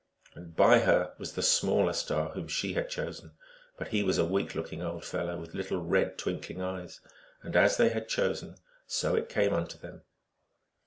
l And by her was the smaller star, whom she had chosen ; but he was a weak looking old fellow, with little red, twinkling eyes. And as they had chosen so it came unto them.